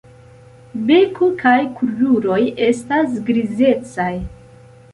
Beko kaj kruroj estas grizecaj.